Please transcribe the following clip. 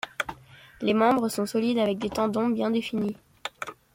Les membres sont solides avec des tendons bien définis.